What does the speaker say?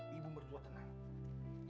ibu mertua tenang